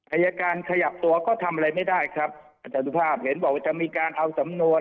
อายการขยับตัวก็ทำอะไรไม่ได้ครับอาจารย์สุภาพเห็นบอกว่าจะมีการเอาสำนวน